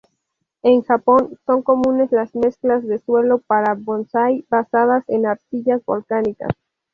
En Japón, son comunes las mezclas de suelo para bonsái basadas en arcillas volcánicas.